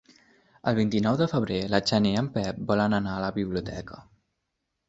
El vint-i-nou de febrer na Xènia i en Pep volen anar a la biblioteca.